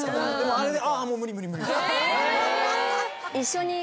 あれで。